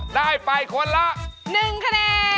ได้ไปคนละหนึ่งคะแนน